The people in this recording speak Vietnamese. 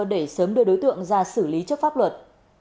để sớm đưa đối tượng ra xử lý trước pháp luật